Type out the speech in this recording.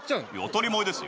当たり前ですよ